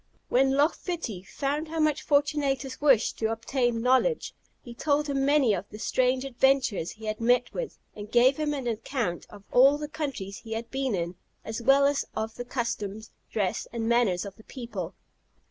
When Loch Fitty found how much Fortunatus wished to obtain knowledge, he told him many of the strange adventures he had met with, and gave him an account of all the countries he had been in, as well as of the customs, dress, and manners of the people.